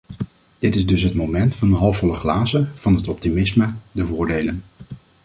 Dit is dus het moment van de halfvolle glazen, van het optimisme, de voordelen.